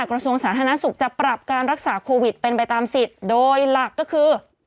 กระทรวงสาธารณสุขจะปรับการรักษาโควิดเป็นไปตามสิทธิ์โดยหลักก็คือ